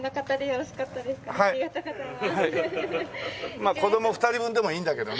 まあ子供２人分でもいいんだけどね。